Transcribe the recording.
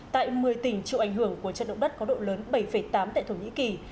tại một mươi tỉnh chịu ảnh hưởng của trận động đất có độ lớn bảy tám tại thổ nhĩ kỳ